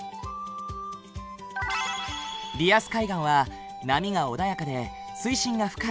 リアス海岸は波が穏やかで水深が深い。